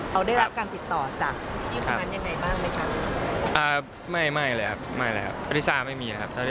เราได้รับการติดต่อจ้ะ